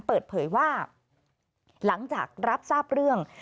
เปิดเผยว่าหลังจากรับทราบเรื่อง